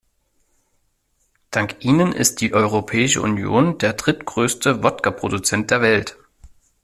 Dank ihnen ist die Europäische Union der drittgrößte Wodkaproduzent der Welt.